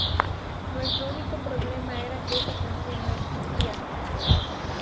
Nuestro único problema era que esa canción no existía.